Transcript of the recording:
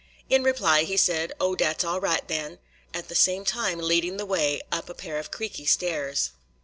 In reply he said: "Oh, dat's all right den," at the same time leading the way up a pair of creaky stairs.